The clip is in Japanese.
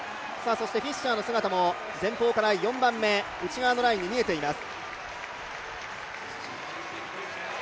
フィッシャーの姿も前方から４番目内側のラインに見えています。